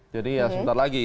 jadi ya sebentar lagi